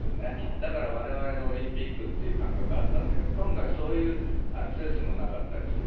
だから、われわれのオリンピックっていう感覚があったんだけど、今回そういうアクセスもなかったりする。